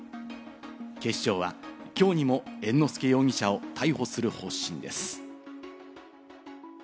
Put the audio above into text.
警視庁はきょうにも猿之助容疑者を逮捕する方針です。